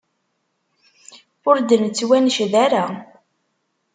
Ur d-nettwanced ara.